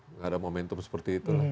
nggak ada momentum seperti itu